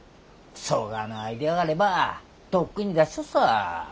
そがなアイデアがあればとっくに出しちょっさぁ。